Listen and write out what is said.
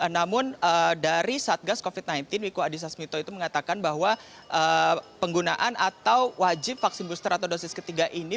namun dari satgas covid sembilan belas wikubank mengatakan bahwa penggunaan atau wajib vaksin booster atau dosis ketiga ini